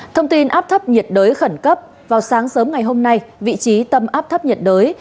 thông tin áp thấp nhiệt đới khẩn cấp vào sáng sớm ngày hôm nay vị trí tâm áp thấp nhiệt đới